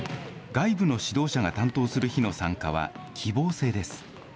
外部の指導者が担当する日の参加は希望制です。